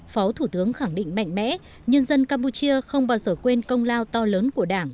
phó thủ tướng khẳng định mạnh mẽ nhân dân campuchia không bao giờ quên công lao to lớn của đảng